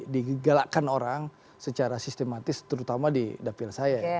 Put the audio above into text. digalakkan orang secara sistematis terutama di dapil saya